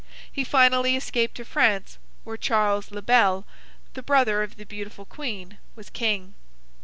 He finally escaped to France, where Charles le Bel, the brother of the beautiful Queen, was King.